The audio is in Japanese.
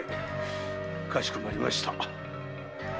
かしこまりました。